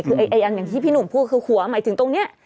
คืออย่างที่พี่หนุ่มพูดคือหัวหมายถึงตรงนี้